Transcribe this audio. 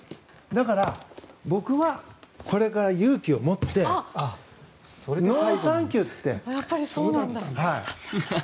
だから、僕はこれから勇気を持ってやっぱりそうなんだ。